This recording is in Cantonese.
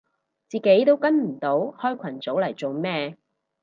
自己都跟唔到開群組嚟做咩